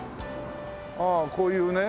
ああこういうね。